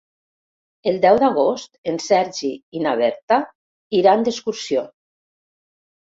El deu d'agost en Sergi i na Berta iran d'excursió.